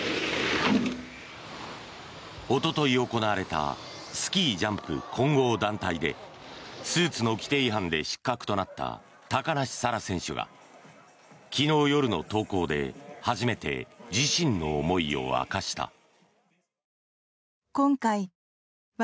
おととい行われたスキージャンプ混合団体でスーツの規定違反で失格となった高梨沙羅選手が昨日夜の投稿で初めて自身の思いを明かした。